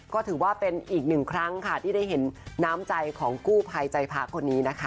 ก็ถือว่าเป็นอีกหนึ่งครั้งค่ะที่ได้เห็นน้ำใจของกู้ภัยใจพระคนนี้นะคะ